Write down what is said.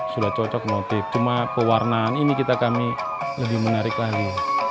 sudah cocok motif cuma pewarnaan ini kita kami lebih menarik lagi